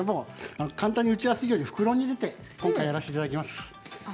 簡単に、やりやすいように袋に入れさせていただきます。